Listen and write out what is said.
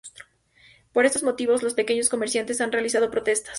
Por estos motivos los pequeños comerciantes han realizado protestas.